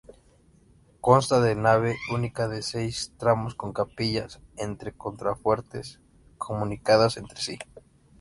Consta de nave única de seis tramos con capillas entre contrafuertes comunicadas entre sí.